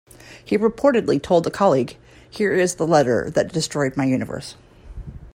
He reportedly told a colleague, Here is the letter that destroyed my universe.